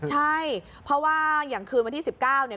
ใช่เพราะว่าอย่างคืนวันที่๑๙เนี่ย